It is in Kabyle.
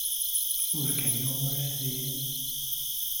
Ur kem-yuɣ wara a tayri?